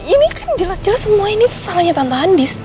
ini kan jelas jelas semua ini tuh salahnya tante andis